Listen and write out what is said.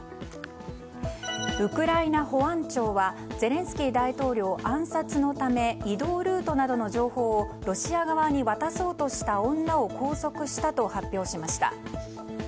ウクライナ保安庁はゼレンスキー大統領暗殺のため移動ルートなどの情報をロシア側に渡そうとした女を拘束したと発表しました。